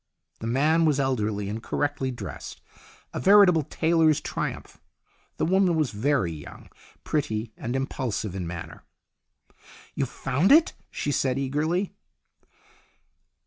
The man was elderly and correctly dressed, a veritable tailor's triumph. The woman was very young, pretty, and impulsive in manner. " You've found it ?" she said eagerly.